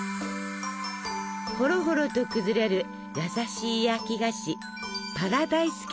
ほろほろと崩れる優しい焼き菓子